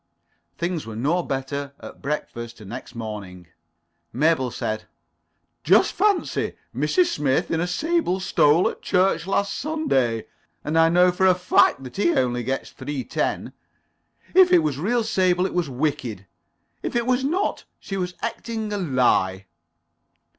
Things were no better at breakfast next morning. Mabel said, "Just fancy, Mrs. Smith in a sable stole at church last Sunday, and I know for a fact that he only gets three ten. If it was real sable it was wicked, and if it was not she was acting a lie."